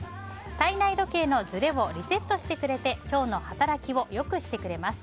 体内時計のずれをリセットしてくれて腸の働きを良くしてくれます。